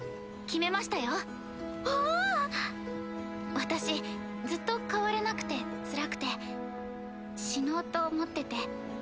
私ずっと変われなくてつらくて死のうと思ってて。